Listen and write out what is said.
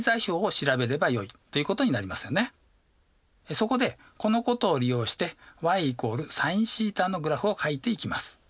そこでこのことを利用してｙ＝ｓｉｎθのグラフをかいていきます。